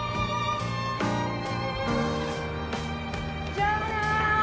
じゃあな！